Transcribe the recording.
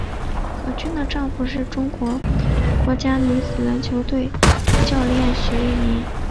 何军的丈夫是中国国家女子篮球队教练许利民。